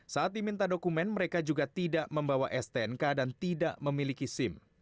saat diminta dokumen mereka juga tidak membawa stnk dan tidak memiliki sim